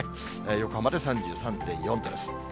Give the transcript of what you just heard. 横浜で３３．４度です。